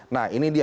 nah ini dia